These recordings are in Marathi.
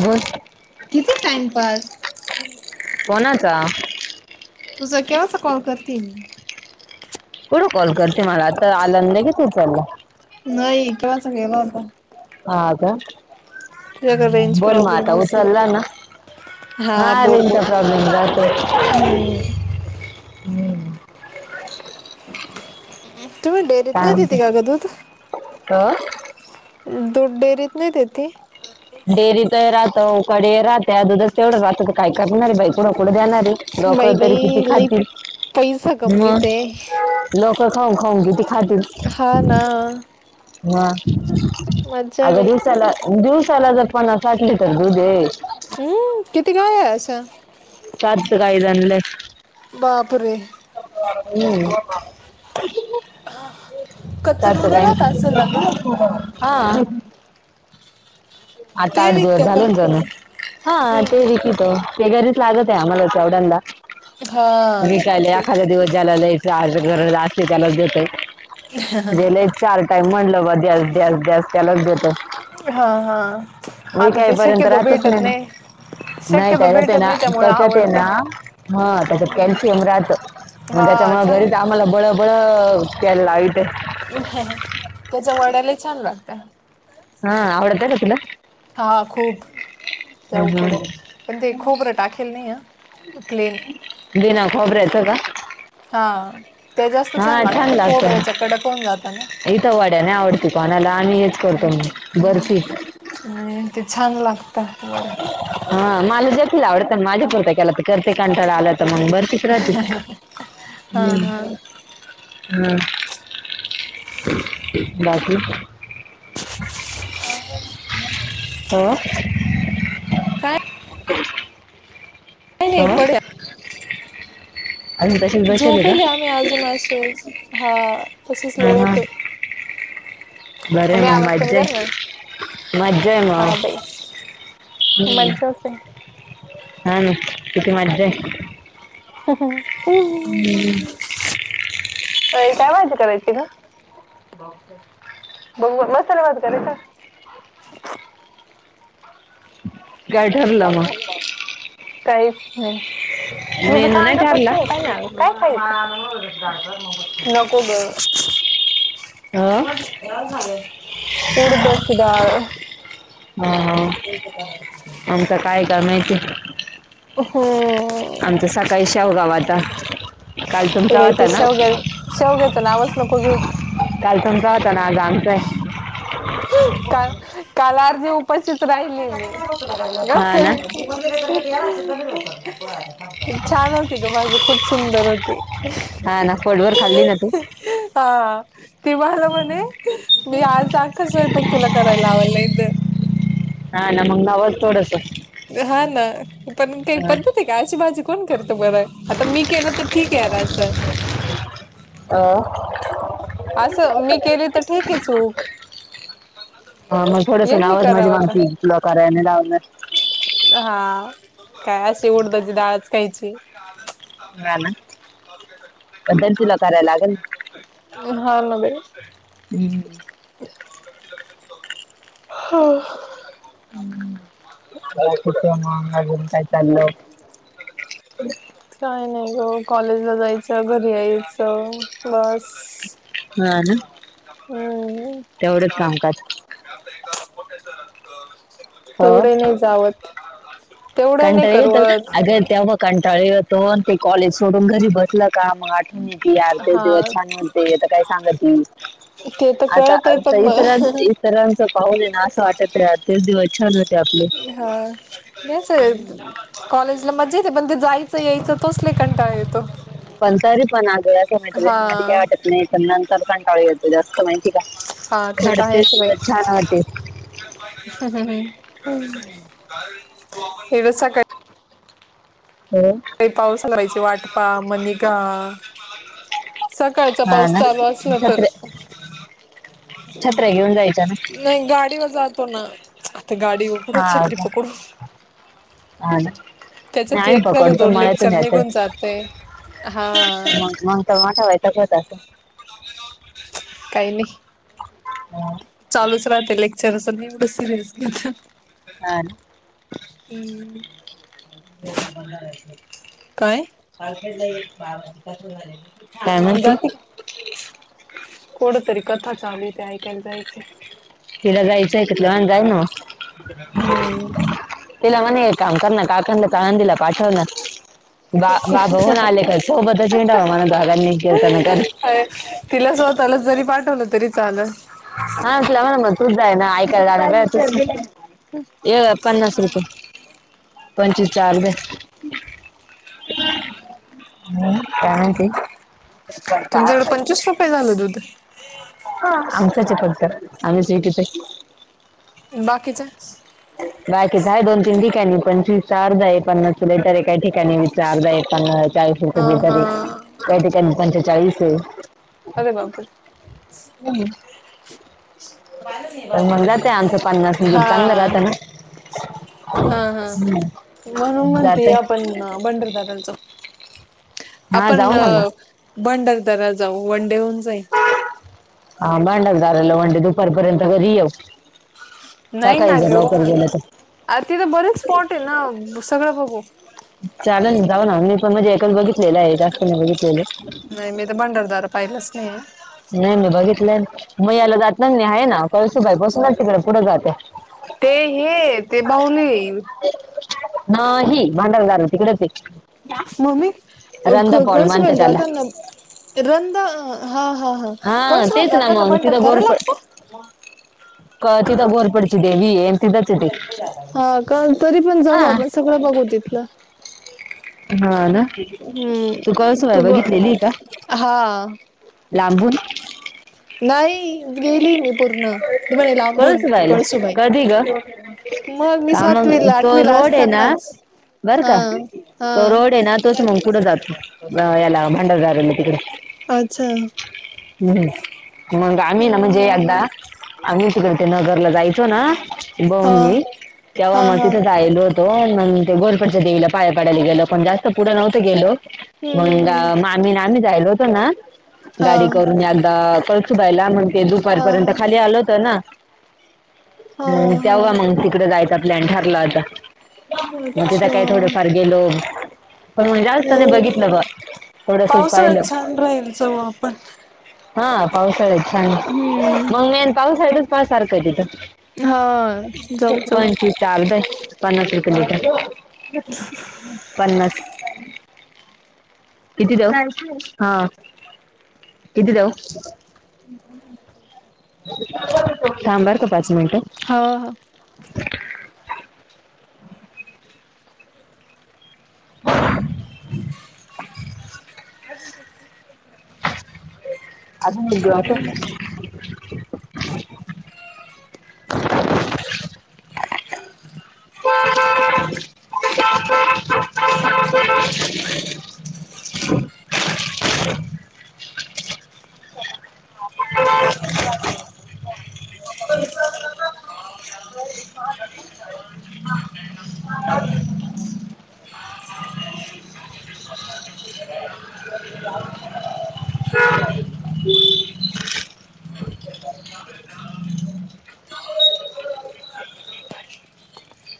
बोल किती टाइमपास. कोणाचा तुझं केव्हाचा कॉल करते मी. कुडं कॉल करते मला आता आल्यान लगेच उचलला. नाही केव्हाचा केला होता. हा का तुझ्याकडे रेंज बोल म प्रॉब्लेम आता असेल उचलला ना. हा रेंज चा प्रॉब्लेम जातंय. उम्म हम्म. [unintelligible] तुम्ही डेरीत नाय देते का गं दूध? का दूध डेअरीत नाही देते? डेअरीत राहतो उकड्या राहत्या दुधच तेवढं राहत तर काय करणार आहे बाई. कुड कुड देणारे बाई लोकं तरी किती बाई लई खातील. पैसा म कमवीत आहे लोकं खाऊन खाऊ किती खातील. हा ना. हा मज्जा आहे अगं बाई दिवसाला दिवसाला जर पन्नास साठ लीटर दूध आहे हम्म किती गाय आहे असं? चार तर गायज आणलय. बापरे! हम्म कच्च दूध राहत असेल ना ग [unintelligible] आणखी हा. आता ते आठ दिवस विकते का झाले ना जाणू हा ते किती ते घरीच लागतं आहे आम्हाला [unintelligible] हा विकायला एखादा दिवस झाला लय ज्याला गरज असते त्यालाच देतोय. गेले चार टाइम म्हणलं गं द्याल द्याल द्यास त्यालाच देतो. हा हा. आता ते विकईपर्यंत शक्यतो राहतेच भेटत नाही म. नाही शक्यतो त्याच्यात आहे भेटत ना नाही त्यामुळे त्याच्यात आहे आवडतं ना त्याच्यात कॅल्शियम राहतं. मग हा त्याच्यामुळे छान घरीच आम्हाला लागत बळबळ प्यायला लावितं. त्याच्या वड्या लई छान लागतं. हा आवडत्या का तुला? हा खूप. त्या उकडं पण ते खोपरं टाकेल नाही हा प्लेन बिना खोबऱ्याचा का? हा ते जास्त छान हा लागते लागतं खोबऱ्याच्या कडक होऊन जाता ना. इथं वाड्या नाही आवडती कोणाला आम्ही हेच करतो बर्फी. नाही ते छान लागतं वडे. हा माला जेथील आवडत पण माझा परतय केला तर. करते कांटाळा आला तर मग बरं तिथं राहते हा हम्म. हा हां बाकी. आ काय नाही नाही आ पड्या तशीच बसेल का झोपेली आम्ही अजून असच, हा तसच हा हा लोळत. बरं आहे मम्मी मग आवाज कमी मज्जा कर ना. आहे मज्जा आहे मग हा बाई हम्म. माज्याच हे हा ना किती मज्या [unintelligible] [unintelligible] काय कामं होती करायची का? [unintelligible] काय ठरलं मग काहीच नाही, की बी मेनू सांगतच ठरला नाही काय ना नको गं हो जेवाण झालय, ती उडदाची डाळ हा, हा आमचं काय का माहिती. हो आमचं सकाळी शेवगा व्हता. ते बाई शेवग, शेवग्याच नावच नको घेवू काल तुमचा व्हता, आज आमचा हाय का, काल अर्धी उपाशीच राहिलेय मी हा ना छान होती गं भाजी खूप सुंदर होती. हा ना पोटभर खाल्ली ना तू हा ती मला म्हणे, मी आज आख्ख स्वयंपाक तुला कराय लावालंय गं हा ना मग नवाज थोडस हा ना पण काही पद्धती आहे का आशी बाजी कोण करत बरं, आता मी केलं तर ठीक आहे राजचं [unintelligible] असं, मी केली तर ठीकय चूक ह मग थोडस यांनी नावज माझी करावा का मागती, तुला करायने लावल. हा, काय अशी उडदाची डाळच खायची. हा ना पण तरी तुला करायला लागेल [unintelligible] हा मग ना. [unintelligible] हम्मं, काय कुठ मंग अजून काय चाललं. काय नाही गं कॉलेजला जायचं घरी यायचं बस, हा ना हम्म तेवढंच कामकाज हो तेवढे नाही जावत. तेवढं नाही करवत कंटाळे येतो, अन ते कॉलेज सोडून घरी बसलं का, मग आ की यार ते ते दिवस हा छान होते, अता काय सांगती ते तर आता, कळत आहे आता पण इतरान मग ती सरांच पाहले आहे ना असं वाटत, तेच दिवस छान होते आपले [unintelligible] कॉलेजला मजा येते, पण ते जायचं- यायचं तोच लई कंटाळ येतो. पण तरी पण आगळ्या असं माहि हा म काही वाटत नाही पण नंतर पण कटांळ येतो जास्त माहिती का? हा घडते दिवस छान होते एवढ्या सकाळी अं काही पाऊस पडायची वाट पा. म नीघा. सकाळचा हा पाऊस ना चालू असला तर. छत्र्या छत्र्या घेऊन जायच्या ना. नाही गाडीवर जातो ना. आता गाडीव कुड हा का छत्रीपकडू. हा ना त्याच्या नाही, ते आम्ही एक पकडतो दोन मला इथून लेक्चर निघून द्यायचं जाते. हा. मग मग त मोठावै ताग होत असंल. प [inaudible] काही नाही. [inaudible] चालूच राहते लेक्चर. अस नाही एवढं सिरियस घेत. हा ना. हम्म. काय? काय म्हणते जाती कोडतरी कथा चालूय. ते ऐकायला जायचय. तिला जायचंय त, तीला म्हणा जाय ना हम्म. म. तिला म्हणा एक काम करणा. काकानाच आळंदीला पाठवना. बा बाबा होउन आले का, सोबत हीडांव म्हणा दोगांनी किर्तन करी [inaudible] तिला स्वतःलाच जरी पाठवलं तरी चालल. हा तिला म्हणा म तूच जायना. ऐकायला जाण्यापेक्षा तूच क ये पन्नास रुपये. पंचवीस च्या अर्ध्याय. [inaudible] हम्म, काय म्हणती? चीस रुपये झालं दूध. हा. आमचाचे फक्त. आम्ही [unintelligible] बाकीच? बाकीच हाये. दोन तीन ठिकाणी पंचवीस च आर्धाये. हे पन्नास च लिटरे एकाही ठिकाणी. च अर्धा एक प चाळीस हा रुपये हा. लिटरे. काही ठिकाणी पंचेचाळीसे. अे बापरे. तर मग जाते आमचं पन्नास म्हणजे चांगलं हा. राहतं ना हा हा. म्हणून म्हणतीय जाते आपण भंडरदऱ्याला जाऊ. हा आपण जाऊ ना मग भंडारदऱ्याला जाऊ. वनडे होउन जाईल. आ भांडारदाराला वनडे दुपारपर्यंत घरी येऊ. सकाळी ज लवकर गेलं त. अर तिथे बरेच स्पॉटे ना. सगळं बघू. चालेच ना. जाऊ ना. मी पण म्हणजे एकच बघितलेलाय. जास्त नाही बघितलेले. नाही मी त भंडारदार पाहिलास हम्म अम्म. नाही मी बघितलियन. म याला जातिंनी हाये ना. कळशीबाई पसूनच तीकड पुढे जात्या. ते हे ते बाऊली. नाही. भांडारदरा तिकडेचे. मम्मी अ क कळसुबाई मानते ला त्याला जाताना रंद हा हा हा. कळसूबाई ला तेच ना जाताना मग तिथं भंडारदरा गोरपड लागतो. म. क तिथ घोरपडची देवीये अन् तिथच ए ते. हा का? तरी पण जाऊ आपण सगळं बघू तिथलं. हा ना? तू हम्म काळुसुबाई ग बघितलेलीये का हा लांबून? नाही. गेली [unintelligible] पूर्ण. म म्हणे लांबून कळसूबाईला कळसूबाई. कधी ग [unintelligible] मग मी हा मग सातवीला - तो आठविला रोड आहे ना असतानाच- बर का हं. तो हं. रोड आहे ना तोच मग पुढे जातो अं, [unintelligible] [unintelligible] तिकडे. हम्. मग आम्ही ना म्हणजे एकदा- आम्ही तिकडे ते नगरला जायचो ना? ते भाऊ हा न मी तेव्हा हा मग हा. तिथ जायलोत. - तो. म ते घोरपडच्या देवीला पाया पडायला गेलो पण जास्त पुढं नव्हतो गेलो. हम्म मंग हम्म हम्म मा - आम्ही जायलो होतो ना गाडी हा करून एकदा कळसूबाईला? मगं ते हा दुपारपर्यंत - हा होत ना? हा मंग हा तेव्हा मंग तिकड जायचा प्लॅन ठरला होता. म तिथं काही थोडे अच्छा. फार गेलो. पण मंग जास्त नाही हो बघितलं बुवा. थोडसच पाहिलं. पावसाळ्यात छान राहील जाऊ आपण. हा. पावसाळ्यात छान- हम्म. नाई अन पावसाळ्यातच पाहाय सारखंये तिथं. हा जाऊ जाऊ [unintelligible] चालतय. पन्नास रुपये लिटर. पन्नास. किती देऊ? Thank you. हां. किती देऊ? थांब बर का पाच मिनिटं. हं. ह. [inaudible] अजून [unintelligible] अस.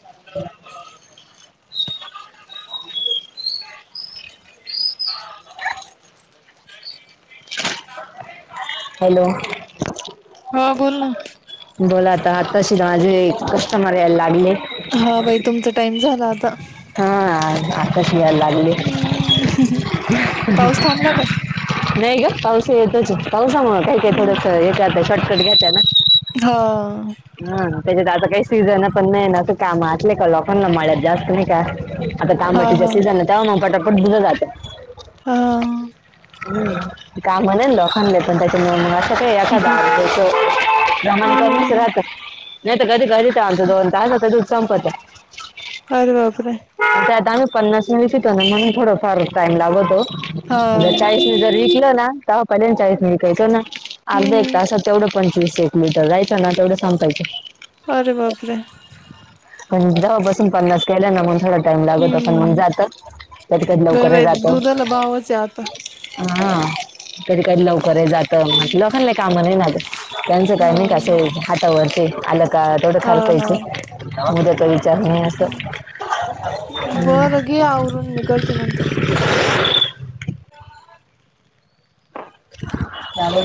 [inaudible] हॅलो. हं. बोल ना. बोल आता. आत्ताशी माझे कस्टमर यायला लागले. हा. बाई तुमच टाइम झाला आता. हां. आत्ताशी यायला लागले. हम्म पाऊस थांबला का? नाही ग. पाऊस येतोच ये पावसामुळे काय काय का थोडस येत आता. शॉर्टकट घ्येता ना? हो. हं. त्याच्यात आता काही सीझन पण नाही ना असं काम असले का लोकांना माळ्यात जास्त नाही का? आता हा तांबटा हा सीझन आहे तेव्हा म पटापट धुण जातं. हां. हम. काम नाही ना लोका- म त्याच्यामुळ मग आता काय असं काही एखादा [unintelligible] चालूच हम्म. राहत. नाही तर कधी कधी त आमचं दोन तासात दूध संपत. अरे बापरे! आणी त्यात आम्ही पन्नास म [unintelligible] म्हणून थोडफार टाइम लागतो. हो. ते जर विकल ना? तेव्हा पहिले चाळीस विकायचो ना? अर्धा एक हम्म. तासात तेवढ- पंचवीस एक लिटर जायचं ना तेवढं संपायचं. अरे बापरे! पण जाव बसून पन्नास केल ना टाईम लागत पण हम्म जात कधी कधी बर लवकर ही बाई जातो. दुधाला भावच आहे आता. हा. कधी कधी लवकर ही जात म्हटलं लोकांना कामं नाही ना, त्यांचं काय हा नाही का सोईचं. हातावरती आलं का थोडं हा हा खर्चायंच, उद्याचा विचार नाही असं. बरं हम्म. घे आवरून, मी करते नंतर. [unintelligible]